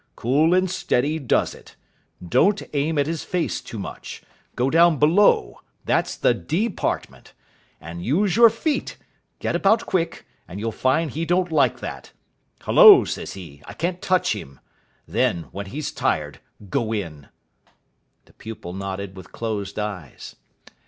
Cool and steady does it. Don't aim at his face too much. Go down below. That's the de partment. And use your feet. Get about quick, and you'll find he don't like that. Hullo, says he, I can't touch him. Then, when he's tired, go in." The pupil nodded with closed eyes.